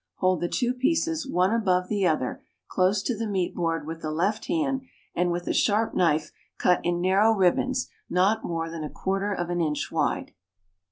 Hold the two pieces, one above the other, close to the meat board with the left hand, and with a sharp knife cut in narrow ribbons not more than a quarter of an inch wide.